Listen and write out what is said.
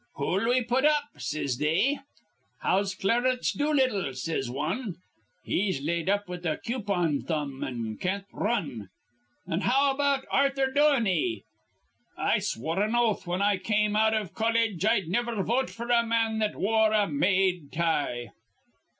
'Who'll we put up?' says they. 'How's Clarence Doolittle?' says wan. 'He's laid up with a coupon thumb, an' can't r run.' 'An' how about Arthur Doheny?' 'I swore an oath whin I came out iv colledge I'd niver vote f'r a man that wore a made tie.'